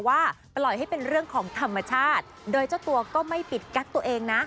ว่าปล่อยให้เป็นเรื่องของธรรมชาติโดยเจ้าตัวก็ไม่ปิดกั๊กตัวเองนะ